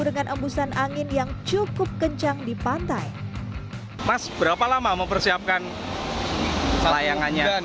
dengan embusan angin yang cukup kencang di pantai mas berapa lama mempersiapkan selayangannya